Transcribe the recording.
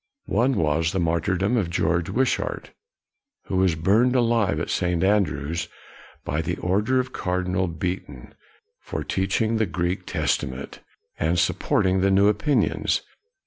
One was the martyrdom of George Wish art, who was burned alive at St. Andrews by the order of Cardinal Beaton, for teach ing the Greek Testament, and supporting the new opinions.